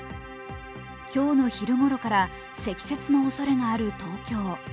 今日の昼ごろから積雪のおそれがある東京。